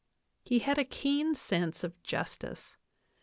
He had a keen sense of justice.